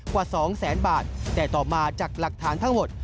กว่าสองแสนบาทแต่ต่อมาจากหลักฐานทั้งหมด